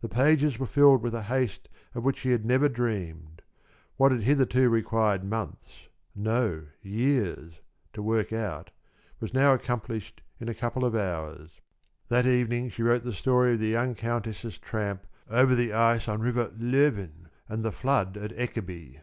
The pages were filled with a haste of which she had never dreamed. What had hitherto required months no, years to work out, was now accomplished in a couple of hours. That evening she wrote the story of the young countess' tramp over the ice on River Löven, and the flood at Ekeby.